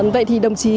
vậy thì đồng chí